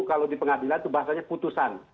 kalau di pengadilan itu bahasanya putusan